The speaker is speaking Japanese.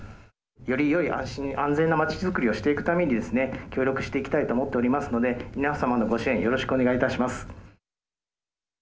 よりよいよ安心、安全な街づくりをしていくためだけに協力していきたいと思っていますので皆さまのご支援よろしくお願いします。